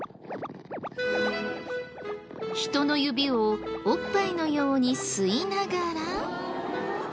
人の指をおっぱいのように吸いながら。